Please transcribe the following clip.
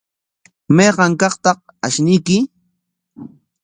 ¿Mayqa kaqtaq ashnuyki?